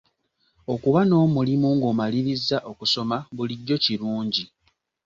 Okuba n'omulimu ng'omalirizza okusoma bulijjo kirungi.